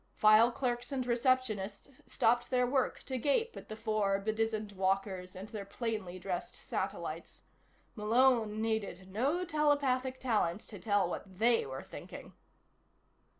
File clerks and receptionists stopped their work to gape at the four bedizened walkers and their plainly dressed satellites. Malone needed no telepathic talent to tell what they were thinking.